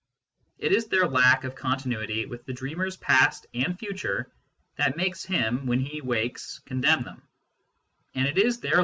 It is their lack ol continuity with the dreamer s past and future that makes him, when he wakes, condemn them ; and it is their lack 1 Cf.